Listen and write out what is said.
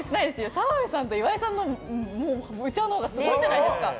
澤部さんと岩井さんのうちわのほうがすごいじゃないですか。